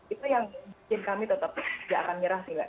itu yang bikin kami tetap gak akan menyerah sih